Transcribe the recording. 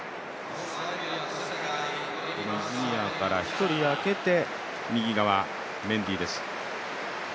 この泉谷から１人空けて右側、メンディーです。